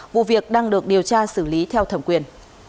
vụ việc đang được điều tra xử lý theo thẩm quyền